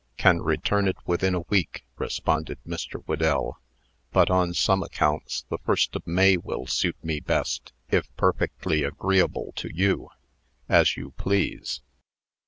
"Can return it within a week," responded Mr. Whedell; "but, on some accounts, the 1st of May will suit me best, if perfectly agreeable to you." "As you please."